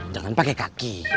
jangan pakai kaki